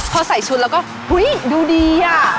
เขาใส่ชุดแล้วก็อุ๊ยดูดี